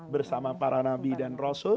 bersama para nabi dan rasul